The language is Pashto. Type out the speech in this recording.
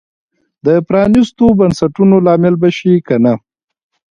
د پرانیستو بنسټونو لامل به شي که نه.